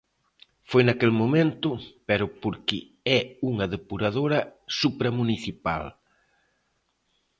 Foi naquel momento, pero porque é unha depuradora supramunicipal.